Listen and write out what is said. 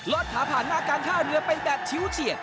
ขาผ่านหน้าการท่าเรือไปแบบชิวเฉียด